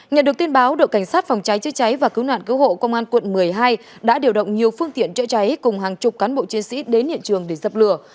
nhận được tin báo đội cảnh sát phòng cháy chữa cháy và cứu nạn cứu hộ công an quận một mươi hai đã điều động nhiều phương tiện chữa cháy cùng hàng chục cán bộ chiến sĩ đến hiện trường để dập lửa